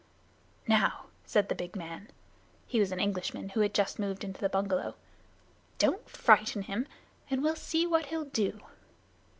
"Now," said the big man (he was an Englishman who had just moved into the bungalow), "don't frighten him, and we'll see what he'll do."